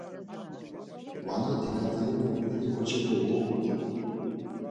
Vanati Katerinak didi ǩoçepe uoxu dort̆u.